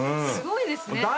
すごいですね。